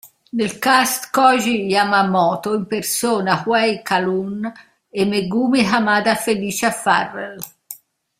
Nel cast Koji Yamamoto impersona Huey Calhoun, e Megumi Hamada Felicia Farrell.